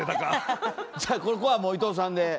じゃあここはもう伊藤さんで。